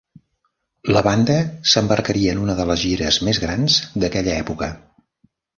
La banda s"embarcaria en una de les gires més grans d"aquella època.